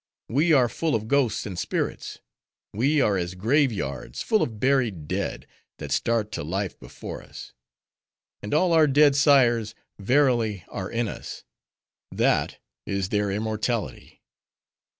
We are full of ghosts and spirits; we are as grave yards full of buried dead, that start to life before us. And all our dead sires, verily, are in us; that is their immortality.